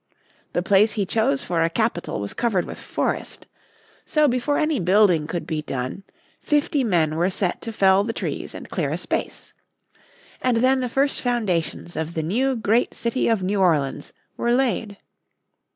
The place he chose for a capital was covered with forest. So before any building could be done fifty men were set to fell the trees and clear a space. And then the first foundations of the new great city of New Orleans were laid.